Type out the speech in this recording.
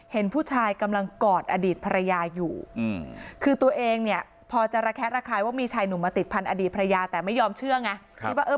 เห็นผู้ชายกำลังกอดอดีตภรรยาอยู่คือตัวเองเนี่ยพอจะระแคะระคายว่ามีชายหนุ่มมาติดพันธอดีตภรรยาแต่ไม่ยอมเชื่อไงคิดว่าเออ